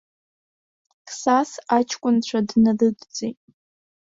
Қсас аҷкәынцәа днарыдҵит.